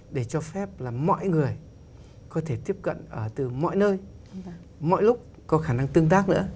để cho phép là mọi người có thể tiếp cận từ mọi nơi mọi lúc có khả năng tương tác nữa